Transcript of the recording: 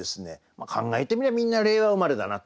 考えてみりゃみんな令和生まれだなという。